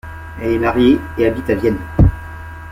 Elle est mariée, et habite à Vienne.